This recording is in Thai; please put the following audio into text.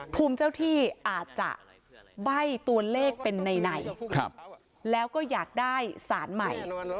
ภูมิเจ้าที่อาจจะใบ้ตัวเลขเป็นในแล้วก็อยากได้สารใหม่